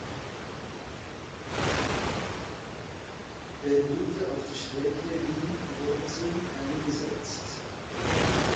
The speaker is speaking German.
Er wurde auf der Strecke Wien–Bozen eingesetzt.